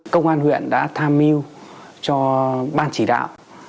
công an huyện đã tham mưu cho ban chỉ đạo